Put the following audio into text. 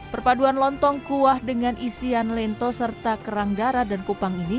perpaduan lontong kuah dengan isian lento serta kerang darah dan kupang ini